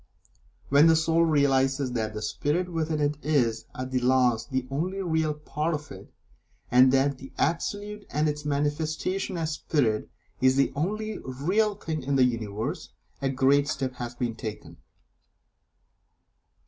When the Soul realizes that the Spirit within it is, at the last, the only real part of it, and that the Absolute and its manifestation as Spirit is the only real thing in the Universe, a great step has been taken.